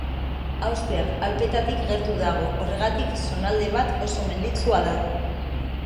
Austriar alpeetatik gertu dago, horregatik zonalde bat oso menditsua da.